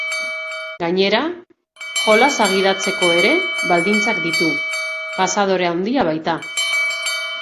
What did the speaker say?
Gainera, jolasa gidatzeko ere baldintzak ditu, pasadore handia baita.